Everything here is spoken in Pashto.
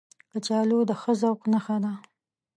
کچالو د ښه ذوق نښه ده